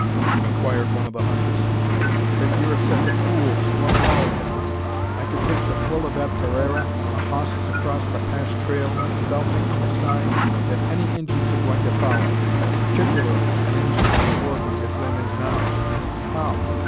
inquired one of the hunters. "Thet yur a set o' fools, one and all o' ee. I kud take the full o' that paraira o' hosses acrosst the 'Pash trail, 'ithout making a sign that any Injun's a gwine to foller, particularly an Injun on the war beat as them is now." "How?"